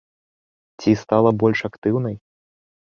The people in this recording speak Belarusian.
Ці стала больш актыўнай?